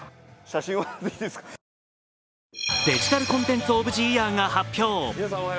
デジタル・コンテンツ・オブ・ザ・イヤーが発表。